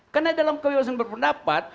karena dalam kebebasan berpendapat